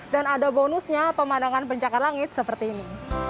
dan ada bonusnya pemandangan pencakar langit seperti ini